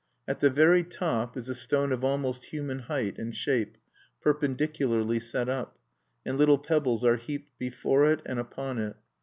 At the very top is a stone of almost human height and shape, perpendicularly set up; and little pebbles are heaped before it and upon it.